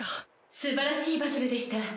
すばらしいバトルでした。